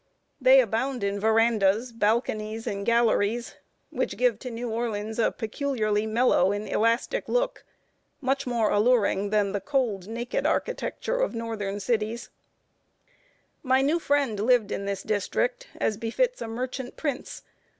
They abound in verandas, balconies, and galleries, which give to New Orleans a peculiarly mellow and elastic look, much more alluring than the cold, naked architecture of northern cities. [Sidenote: AN AGREEABLE FAMILY CIRCLE.] My new friend lived in this district, as befits a merchant prince.